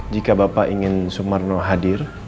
jika bapak ingin sumarno hadir